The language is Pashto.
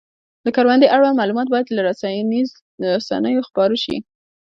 د کروندې اړوند معلومات باید له رسنیو خپاره شي.